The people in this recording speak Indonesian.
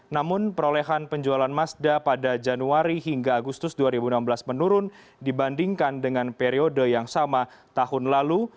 namun perolehan penjualan mazda pada januari hingga agustus dua ribu enam belas menurun dibandingkan dengan periode yang sama tahun lalu